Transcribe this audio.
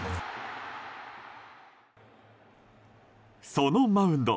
そのマウンド。